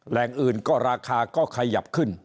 แหล่งอื่นก็ราคาก็ขยับขึ้น